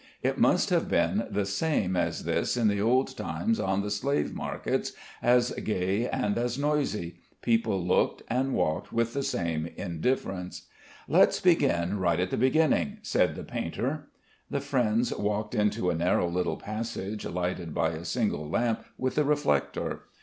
It must have been the same as this in the old times on the slave markets, as gay and as noisy; people looked and walked with the same indifference. "Let's begin right at the beginning," said the painter. The friends walked into a narrow little passage lighted by a single lamp with a reflector.